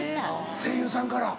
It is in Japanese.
声優さんから？